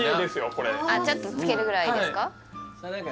これちょっとつけるぐらいですか？